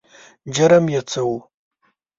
جرم یې څه و؟